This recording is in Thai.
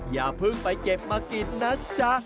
อย่าเพิ่งไปเก็บมากินนะจ๊ะ